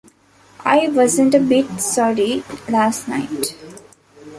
I wasn’t a bit sorry last night.